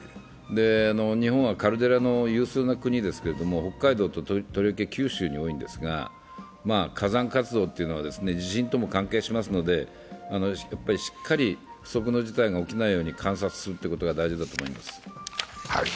日本はカルデラの有数な国ですけれども、北海道ととりわけ九州に多いんですが、火山活動というのは地震とも関係しますので、しっかり不測の事態が起きないように観察するということが大事だと思います。